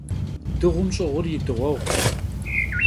Dığum ş'ığur yi dığueğuş.